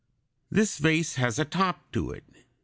This vase has a top to it.